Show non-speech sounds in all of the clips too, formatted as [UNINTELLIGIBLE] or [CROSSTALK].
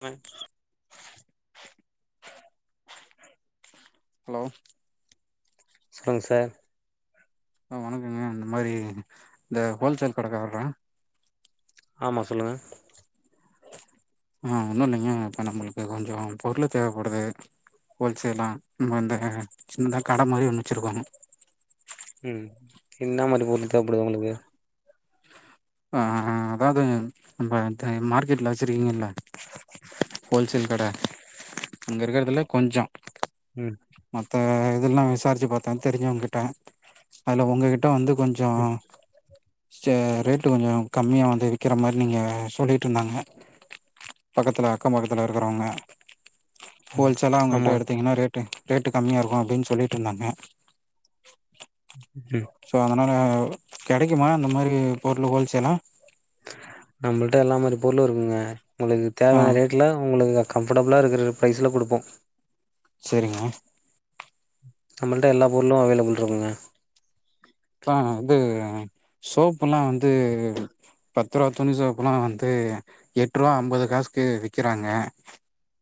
ம். ஓ சொல்லுங்க சார். வணக்கங்க இந்த மாதிரி இந்த ஹோல்சேல் கடக்காரறா. ஆமா சொல்லுங்க. ஆஹ ஒன்னும் இல்லைங்க இப்ப நம்மளுக்கு கொஞ்சம் பொருள் தேவைப்படுது ஹோல்சேலா நம்ம வந்து சின்னதா கட மாதிரி ஒண்ண வச்சிருக்கோம். உம் என்ன மாறு பொருள் தேவப்படுதும் உங்களுக்கு. அஹ் அதாவது நம்ம மார்க்கெட்ல வெச்சிருக்கீங்கல்ல ஹோல்சேல் கட இங்க இருக்குறதுலயே கொஞ்சம். ம் மற்ற இதெல்லாம் விசாரிச்சு பாத்தேன் தெரிஞ்சவங்க கிட்டே அதில உங்ககிட்ட. கிட்ட வந்து கொஞ்சோம். ம் ச ரேட்டு கொஞ்சம் கம்மியா வந்து விக்கிற மாதிரி நீங்க சொல்லிட்டு இருந்தாங்க பக்கத்துல அக்கம் பக்கத்துல இருக்கிறவங்க. ம் ஹோல்சேல்லா அவங்ககிட்ட ஆமா எடுத்தீங்கன்னா ரேட். டே. ரேட்டு கம்மியா இருக்கும். அப்படின்னு சொல்லிட்டு இருந்தாங்க. [UNINTELLIGIBLE] னால கெடைக்குமா இந்தந்த மாதிரி பொருள் ஹோல்சேல்லாம். நம்மள்ட எல்ல மாதிரி பொருளும் இருக்குங்க உங்களுக்கு ஆ தேவையான ரேட்ல உங்களுக்கு. கம்ஃபர்டபுளாக இருக்கிற ப்ரைஸில கொடுப்போம். செரிங்க. நம்மள்ட எல்லா பொருளும் அவைலபுள் இருக்குங்க. எப்பா வந்து சோப் எல்லா வந்து பத்து ரூபா துணி சோப் எல்லா வந்து எட்டு ரூபா அம்பது காசுக்கு விக்றாங்க.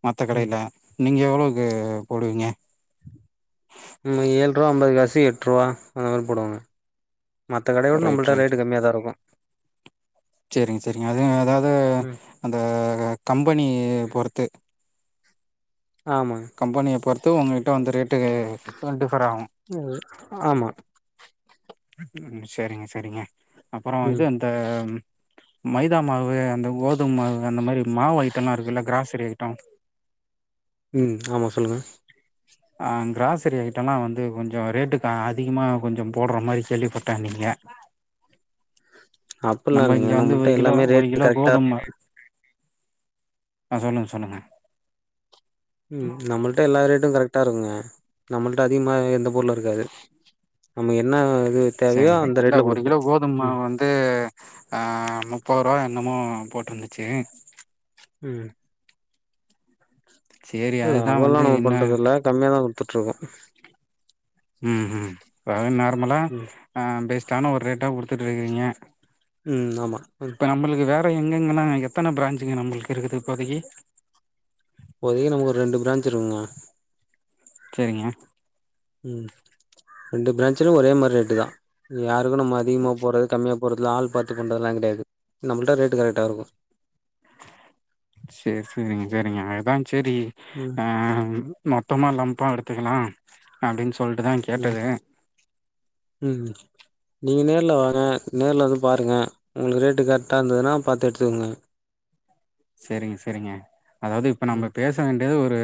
மத்த ம் கடைல, நீங்க எவ்வளவுக்கு போடுவீங்க நம்ம ஏழு ரூவா அம்பது காசு, எட்டு ரூவா அந்த மாரி போடுவாங்க. மத்த கடைய விட ரைட் நம்மள்ட ரேட்டு கம்மியா தா இருக்கும். செரிங்க செரிங்க அது ஏதாவ் அது ம் அந்த கம்பனி பொறுத்து ஆமாங்க கம்பெனிய பொறுத்து ஒங்ககிட்ட வந்து ரேட்டு டிஃபர் ஆவு ம் ஆமா உம் சேரிங்க சேரிங்க அப்பறோ ம் இது அந்த மைதா மாவு, அந்த கோதும மாவு அந்த மாரி மாவு ஐட்டொல்லா இருக்குல்ல, க்ராசரி ஐட்டொ உம் ஆமா சொல்லுங்க ஆஹ் க்ராசரி ஐட்டொல்லா வந்து கொஞ்சொ ரேட்டுக்கு அதிகமா கொஞ்சொ போட்ற மாரி கேள்விப்பட்டன்னீங்க. அப்புல்லா இல்லைங்க நம்மள்ட்ட எல்லாமே ஒரு ரேட்டு கிலோ கரெக்ட்டா கோதும ஆ சொல்லுங்க சொல்லுங்க ம் நம்மள்ட்ட எல்லா ரேட்டு கரெக் க்ட்டா இருக்குங்க நம்மள்ட்ட அதிகமா எந்த பொருளு இருக்காது நம்ம என்ன இது தேவையோ சரிங்க அந்த நல்லா ரேட்ல ஒரு குடுப்போ கிலோ கோதும மாவு ம் வந்து ஆஹ் முப்பருவா என்னமோ ஆஹ் போட்ருந்துச்சி உம் சேரி அதுதா லாபொல்லா வந்து நம்ம என்ன பண்றதில்ல கம்மியா தா குடு துட்ருக்கோ ம் ம் இப்ப நார்மலா ம் ஆஹ் பெஸ் கான ஒரு ரேட்டா குடுத்துட்ருக்கீங்க உம் ஆமா உம் ப்ப எங்கெங்கன்னா எத்தன பிரான்ச்சுங்க நம்ப்ளுக்கு இருக்குது இப்போதைக்கி போதக்கி நமக்கு ஒரு ரெண்டு பிரான்ச் இருக்குங்க. செரிங்க உம் ரெண்டு பிரான்ச்ல ஒரே மாரி ரேட்டு தா யா துக்கு நம்ம அதிகமா போர்றது, கம்மியா போர்றதுலா ஆள் பாத்து பண்றதெல்லா கெடையாது. நம்ளுட்ட ரேட்டு் கரெக்ட்டா இருக்கு சேர் சேரிங்க சேரிங்க அதா சேரி ம் ஆஹ் மொத்தமா லம்ப்பா எடுத்துக்கலா அப்டின் சொ உம் உம் நீங்க நேர் ல வாங்க நேர்ல வந்து பாருங்க உங்ளுக் ரேட்டு கரெக்ட்டா இருந்ததுன்னா பாத்து எடுத்துங்க. சேரிங்க சேரிங்க அதாவ்து இப்ப நம்ம ம் பேச வேண்டியது ஒரு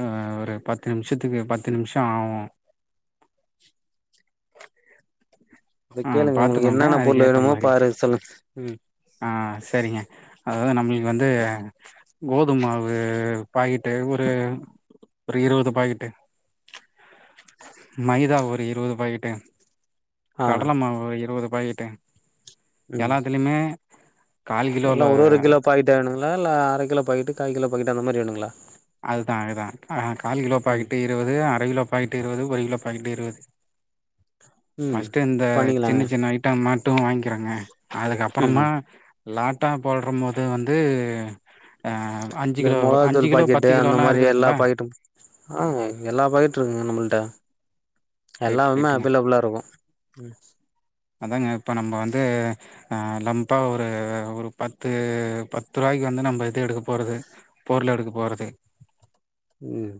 ஆ ஒரு பத்து நிமிஷத்துக்கு பத்து நிமிஷொ ஆவு அத ஆ கேளுங்க உங்களுக்கு பாத்துக்கோங்க என்னென்ன பொருள் அதுக்கேத்த வேணுமோ மாரி பாரு சொல்லுங்க ம் ஆ சரிங்க அதாவ்து நம்மளுக்கு வந்து கோதுமாவு பாக்கிட்டு ஒரு ஒரு இருவது பாக்கிட்டு மைதா வ இருவது பாக்கிட்டு ஆ கடல மாவு இருவதுப் பாக்கிட்டு ம் எல்லாத்துலயுமே கால் கிலோல எல்லா ஒரு ஒரு கிலோ பாக்கெட் இல்ல வேணுங்களா லா அர கிலோ பாகிட்டு கால் கிலோ பாகிட்டு அந்த மாரி வேணுங்ளா அதுதா அதுதா அ கால் கிலோ ம் பாக்கிட்டு இருவது, அர கிலோ பாக்கிட்டு, இருவது ஒரு கிலோ பாக்கிட்டு இருவது. [INAUDIBLE] ம் பஸ்ட்டு அந்த சின்ன பண்ணிக்கலாங்க சின்ன ஐட்டம் மட்டூ வாங்கிக்கிறேங்க ம் அதுக்கப்புறந்தா ம் லாட்டா போடுறோம்போது வந்து ஆ அஞ்சு இந்த கிலோ அஞ்சு மொளகாதூள் கிலோ பாக்கிட்டு பத்து சொன்ன கிலோலா மாரியே எல்லா இருக்குதுங்களா பாகிட்டும் ஆ எல்லா பாகிட்டூ இருக்குங்க நம்மள்ட ரைட் எல்லாமுமே ரைட்டுங்க அவைலபிளா இருக்கூ ம் அதாங்க இப்ப நம்ம வந்து ஆ லம்ப்பா ஒரு ஒரு பத்து பத்து ரூவாய்க்கு வந்து நம்ம இது எடுக்க போறது பொருளெடுக்க போறது உம்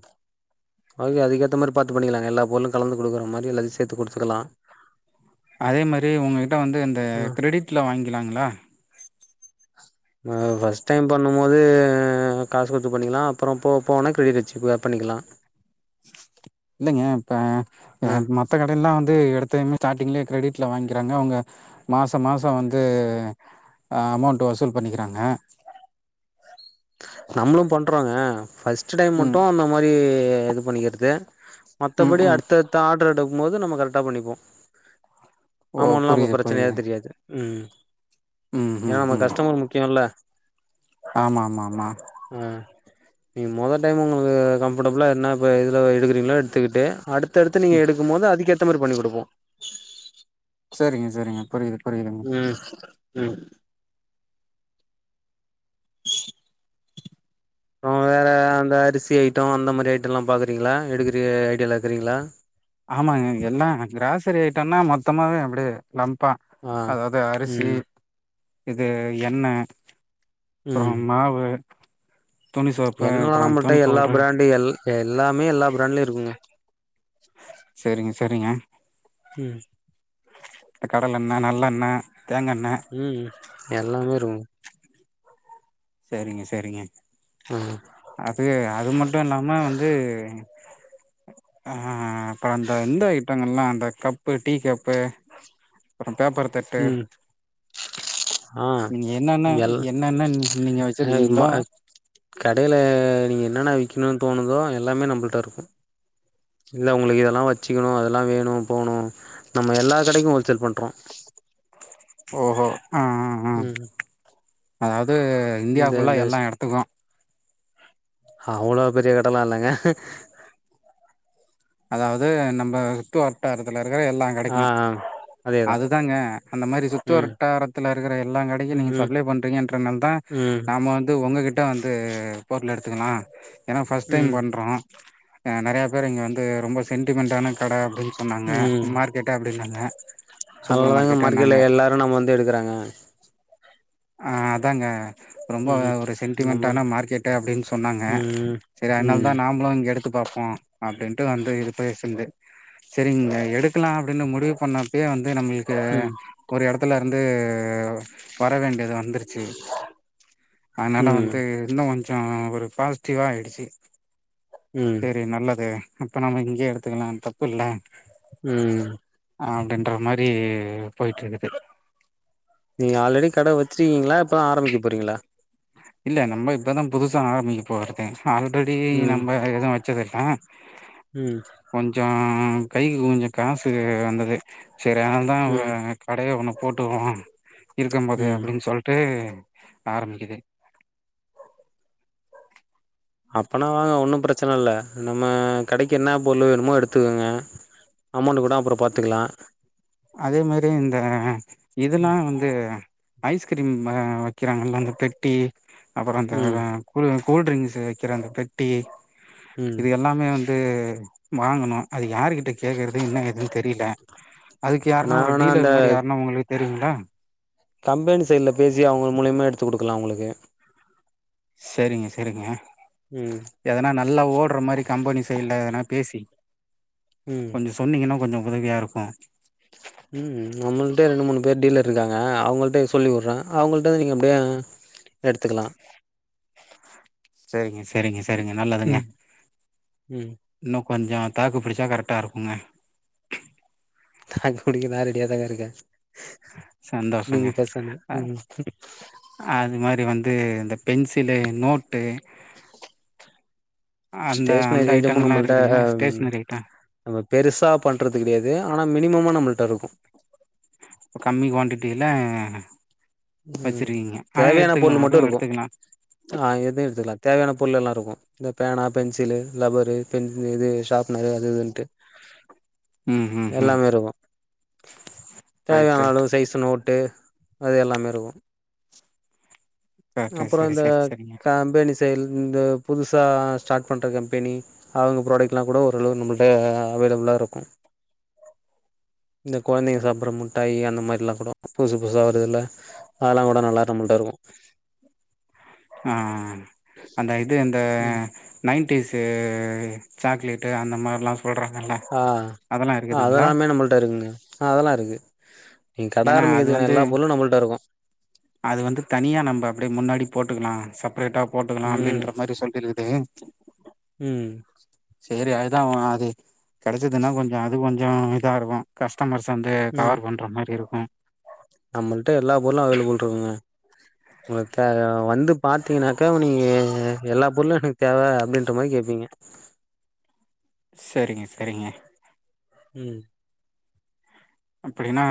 ஓகே அதுக்கேத்த மாரி பாத்து பண்ணிக்கலாங்க எல்லா பொருளும் கலந்து குடுக்குற மாதிரி எல்லாத்தையூ சேத்து குடுத்துக்கலா அதே மாரி உங்ககிட்ட வந்து அந்த க்ரெடிட்ல வாங்கிக்லாங்களா ஆ ஃபஸ்ட் டைம் பண்ணும்போது காசு குடுத்து பண்ணிக்லா அப்றோ போவ்போவேணா க்ரெடிட் வச்சு பண்ணிக்லா இல்லைங்க இப்ப ஆ அ மத்த கடைல்லா டு எடுத்தத்மே ஸ்டாட்டிங்லயே க்ரெடிட்ல வாங்கிக்கிறாங்க அவங்க மாசோ மாசோ வந்து ஆ அமௌண்ட்ட வசூல் பண்ணிக்றேங்க நம்ளூ பண்றோங்க ஃபஸ்ட் ஸ்டடே ம் மட்டூ இந்த மாரி ஏ இது பண்ணிக்கிறது ம் மத்தபடி ம் அடுத்தத்த ஆட்ர டௌ மோது நம்ம கரெக்டா பண்ணிப்போ ஓ அமௌன்ட்லா அப்ப புரியுது ப்ரச்சனையா புரியுது தெரியாது ம் ஏனா ம் நம ம் கஸ்டமர் முக்கியோல்ல ஆமாமா நீ மொத டைம் உங்களுக்கு கம்ஃபர்டபிளா என்ன இப்ப இதுல எடுக்றீங்களோ எடுத்துக்குட்டு அடுத் தடுத்து நீங்க ம் எடுக்கும் போது அதிகத் [UNINTELLIGIBLE] பண்ணி குடுப்போ சரிங்க சரிங்க புரியிது உம் ம் அப்றோ வேற அந்த அரிசி ஐட்டோ அந்த மாரி ஐட்டோலா பாக்குறீங்களா எடுக்கிற ஐடியால இருக்கிறீங்களா ஆமாங்க இங்க எல்லா கிராசரி ஐட்டம்னா மொத்தமாவே அப்டி லம்ப் ப்பா ஆ அதாவது அரிசி ம் இது எண்ண அப்புறோ மாவு துணி ம்ச் சோப்பு எண்ணெல்லா அப்றோ நமட்ட துணி எல்லா பவுட்ரு பிராண்டு் எல் எல்லாமே எல்லா பிராண்ட்லயு இருக்குங்க சரிங்க சரிங்க உம் இந்த கடலண்ண நல்லண்ண உம் எல்லாமே இருக்கு சரிங்க சரிங்க ம் அது அது மட்டு இல்லாம வந்து ஆ அப்பறோ அந்த எந்த ஐட்டங்கள்லா அ கப்பு டீ கப்பு அப்றோ பேப்பரு தட்டு ம் ஆ நீங்க என்னென்ன எல் என்னென்ன நீங்க வச்சிருக்கீங்களோ [UNINTELLIGIBLE] கடையி நீங்க என்னென்ன விக் கினு தோணுதோ எல்லாமே நம்மள்ட்ட இருக்கு இல்ல உங்களுக்கு இதெல்லாம் வச்சுக்கணு அதெல்லா வேணு போணு நம்ம எல்லா கடைக்கு ஹோல்சேல் பண்றோ ஓஹோ ஆ ஆ ஆ ம் அதாவது இந்தியாக்குள்ள எல்லா இடத்துக்கு அவ்வளோ பெரிய கடலா இல்லங்க அதாவது நம்ம சுட்டு வட்டாரத்துல இருக்கி எல்லா ஆ கடைக்கு ஆ அதேதா அதுதாங்க அந்த மாரி சுத்து ம் வர்ட்டாரத்துல இருக்கிற எல்லாங் கடைக்கு நீங்க ம் சப்ளை பண்றீங்கன்றனால தா ம் நாம வந்து உங்ககிட்ட வந்து பொருள எடுத்துக்கலா என பஸ்ட் ம் டைம் ம் பண்றோ ஆ நெறைய பேர் இங்க வந் து ரொம்ப ஸ் சென்டிமெண்ட்டான கட அப்டின்னு சொன்னாங்க மார்க்கெட்டா அப்டின்னாங்க ம்ச் அதனால சூப்பர் தாங்க மார்க்கெட்ல மார்க்கெட்டுன்னாங்க எல்லாரூ நம்ம வந்து எடுக்கறாங்க ஆ அதாங்க ரொம்போ ம் ம் ஒரு நம்ம சென்டிமெண்ட்டான மார்க்கெட்டு அப்டின்னு சொன்னாங்க ம் செரி அதனால தா ம் நாம்ளூ இங்கெடுத்து பாப்போ அப்டின்ட்டு வந்து இது பேசுன்து செரிங்க எடுக்கலா அப்டின்னு முடிவு பண்ணப்பயோ வந் து நம்ளுக்கு ம் ஒரு எடத்துலருந் து வர வேண்டியத் து வந்துருச்சு அதனால ம் வந்து இன்னு கொஞ் சோ ஒரு பாசிட்டிவா ஆயிடுச்சி ம் செரி நல்லது அப்ப நம்ம இங்கயே எடுத்துக்கலா தப்பில்ல ம் ஆ அப்டின்ற மாரி போயிட்டு இருக்குது நீங்க ஆல்ரெடி கட வச்சி ஈங்ளா இப்பதா ஆரம்பிக்க போறீங்ளா இல்ல நம்ம இப்பதா புதுசா ஆரம்பிக்க போறதே நா ஆல்ரெடி ம் நம்ம எதும் வச்சது ஆ ம் கொஞ்சோ உம் கைக்கு கொஞ்சோ காசு வே வந்தது செரி அதனாலதா ஒரு ம் கடைய ஒன்னுப் போட்டுக்குவோ இருக்கும் போதே ம் அப்டின்னு சொல்லிட்டு ஆரம்பிக்கிது அப்பனா வாங்க ஒன்னு ப்ரச்சன இல்ல நம்ம கடைக்கு என்ன பொர்ளு வேணுமோ எடுத்துக்கோங்க அமௌண்ட் கூட அப்றோ பாத்துக்கலா அதே மாரி இந்த இதுலா வந்து ஐஸ்கிரீம் ஆ வெக்கிறாங்கல்ல அந்த பெட்டி அப்றோ அந்த ம் [UNINTELLIGIBLE] கூல் ட்ரிங்க்ஸு வெக்கிற அந்த பெட்டி ம் இது எல்லாமே வந்து வாங்கனு அது யாருகிட்ட கேக்குறது என்ன எதுன் தெரில நா வேனா அந்தக் தெரியுங்களா கம்பெனி சைட்ல பேசி அவங்க மூலியமா எடுத் து குடுக்கலா உங்களுக்கு செரிங்க செரிங்க ம் எதனா நல்லா ஓடுற மாரி கம்பெனி சைடுல எதனா பேசி ம் கொஞ்சோ சொன்னீங்கன்னா கொஞ்சோ உதவியாக இருக்கும் உம் நம்மிட்ட ரெண்டு மூணு பேர் டீலர் இருக்காங்க அவங்கள்ட்ட சொல்லி விடுற அவங்கள்ட நீங்க அப்டியே எடுத்துக்கலா செரிங்க ச சரிங்க சரிங்க நல்லதுங்கொ ம் நோ கொஞ்ஜோ தாக்கு பிடிச்சா கரெக்டா இருக்குங்க தா குடிக்க நா ரெடியா தாங்க இருக்க சந்தோஷங்க அ ம் அது மாரி வந் ஏ இந்த பென்சிலு நோட்டு அந்த அந்த ஸ்டேஷனரி ஐட்டம்லா ஐட்டங்கள்லா நம்மளிட்ட இருக்குதுங்களா ஸ்டேஷ்னரி ஐட்டோ நம்ம பெருசா பண்றது கிடையாது ஆனா மினிமமா நம்ம [UNINTELLIGIBLE] இப்ப கம்மி குவான்டிட்டில உம் வச்சிருக்கீங்க ஆனா தேவையான எடுத்துக்கலா பொருள் மட்டு அதுவு இருக்கு எடுத்துக்கலா ஆஹ் எதுவு எடுத்துக்கல தேவையான புல்லெல்லா இருக்கு இந்த பேனா பென்சிலு ரப்பரு பென் இது ஷாரப்னரு அது இதுன்ட்டு ம் ம் ம் எல்லாமே இருக்கு ரைட் தேவையான ரைட் அளவு சைஸ் நோட்டு அது எல்லாமே கரெக்ட்டு அப்புற சரி இந்த சரி சரிங்க கம்பேணிசைல் இந்த புதுசா ஸ்டார்ட் பண்ணுற கம்பெனி அவங்க ப்ராடக்ட்லா கூட ஓரளவு நம்மளிட்ட அவைலபிளா இருக்கு இந்த குழந்தைங்க சாப்பர முட்டாய் அந்த மாதிரிலா கூட புதுசு புதுசா வருதில்ல அதெல்லா கூட நல்லா நம்மளிட்ட இருக்கு மா அந்த இது அந்த ம் நைன்த் செரி சாக்லெட்டு அந்த மாரிலெல்லா சுத்தி ஆஹ் அதெல்லாமே நம்மளிட்ட இருக்குங்க அதெல்லா இருக்கு நீங்க கட ஏன்னா அது ஆரம்பிக்கிறதுக்கான வந்து எல்லா பொருளும் நம்மள்ட்ட இருக்கும் அது வந்து தனியா நம்ம அப்டியே முன்னாடி போட்டுக்கலா சப் அப்ரேட்டா போட்டுக்கலா ம் அப்டின்ற மாரி சொல்லியிருக்குது ம் சேரி அதுதா அது கிடைச்சதுன்னா கொஞ்ஜோ அது கொஞ்ஜோ [UNINTELLIGIBLE] கஷ் [UNINTELLIGIBLE] கவர் பண்ற மாரி இருக்கு ம் நம்மளிட்ட எல்லா பொருளு அவைலபுள்ல இருக்குங்க உங்களுக்காக வந்து பாத் பாத்தீங்கனாக்கா உனி எல்லா பொருளு எனக்கு தேவை அப்டின்ற மாரி கேட்பீங்க செரிங்க செரிங்க உம் அப்டின்னா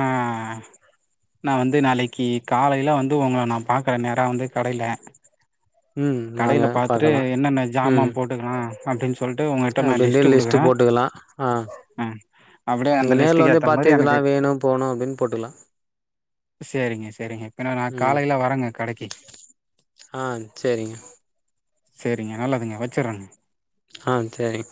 நா வந்து நாளைக்கி காலையில வந்து உங்களை நா பாக்குற நேரோ வந்து கடையில ம் வாங்க கடையில பாத்துட்டு பாக்கலா என்னென்ன ஜாமான் போட்டுக்கலா அப்படின் சொல் அப்டிண்டு லிஸ்ட் போட்டுக்கலா ஆஹ் ஆ அப்டியே நீங்க அந்த நேர்ல லிஸ்ட்டுக்கு வந்து ஏத்த மாரி பாத்து இதெல்லா எனக்கு வேணும் போணும் அப்படின்னு போட்டுக்கலா சேரிங்க சேரிங்க பின்ன நா உஹம் காலையில வரேங்க கடைக்கு ஆஹ் செரிங்க செரிங்க நல்லதுங்க வச்சறேங்க ஆஹ் செரி